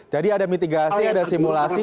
jadi ada mitigasi ada simulasi